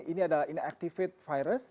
ini adalah inactivated virus